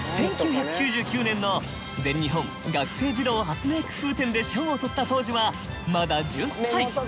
１９９９年の全日本学生児童発明くふう展で賞をとった当時はまだ１０歳。